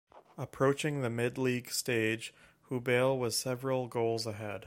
Approaching the mid-league stage Hubail was several goals ahead.